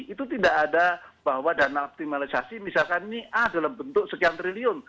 itu tidak ada bahwa dana optimalisasi misalkan ini a dalam bentuk sekian triliun